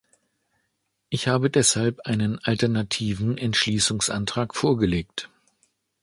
Ich habe deshalb einen alternativen Entschließungsantrag vorgelegt.